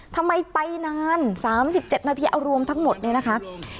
ทำไมไปนาน๓๗นาทีเอารวมทั้งหมดเนี่ยนะคะ